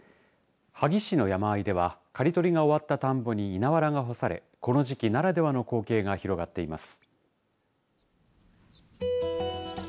萩市の山あいでは刈り取りが終わった田んぼに稲わらが干されこの時期ならではの光景が広がっています。